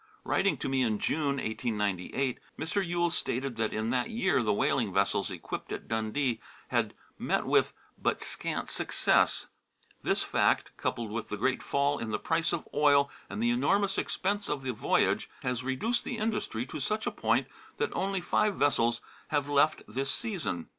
Writing to me in June, 1898, Mr. Yule stated that in that year the whaling vessels equipped at Dundee had met with but scant success ; this fact, " coupled with the great fall in the price of oil, and the enormous expense of the voyage, has reduced the industry to such a point that only five vessels have left this season."